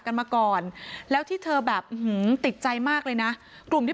กันมาก่อนแล้วที่เธอแบบหือติดใจมากเลยนะกลุ่มที่